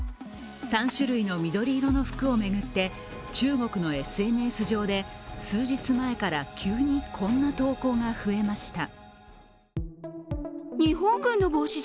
３種類の緑色の服を巡って中国のＳＮＳ上で数日前から急にこんな投稿が増えました。